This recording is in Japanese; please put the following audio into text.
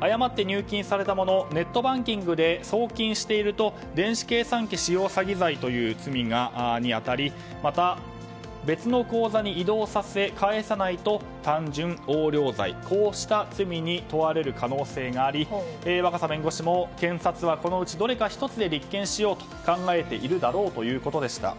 誤って入金されたものをネットバンキングで送金していると電子計算機使用詐欺罪という罪に当たりまた別の口座に移動させ返さないと単純横領罪という罪に問われる可能性があり若狭弁護士も検察はこのうちどれか１つで立件しようと考えているだろうということでした。